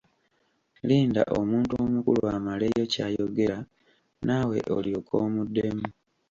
Linda omuntu omukulu amaleyo ky’ayogera naawe olyoke omuddemu.